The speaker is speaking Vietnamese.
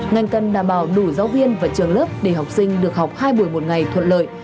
ngành cần đảm bảo đủ giáo viên và trường lớp để học sinh được học hai buổi một ngày thuận lợi